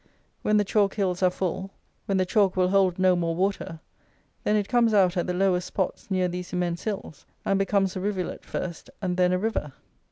When the chalk hills are full; when the chalk will hold no more water; then it comes out at the lowest spots near these immense hills and becomes a rivulet first, and then a river.